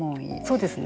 そうですね